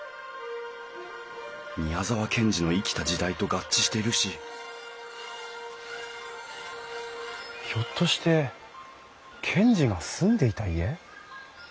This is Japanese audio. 宮沢賢治の生きた時代と合致しているしひょっとして賢治が住んでいた家？